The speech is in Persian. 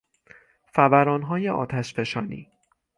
فورانهای آتشفشانی